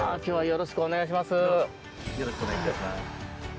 よろしくお願いします。